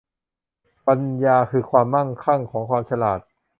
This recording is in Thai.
ปัญญาคือความมั่งคั่งของความฉลาด